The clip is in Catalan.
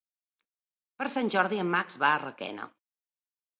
Per Sant Jordi en Max va a Requena.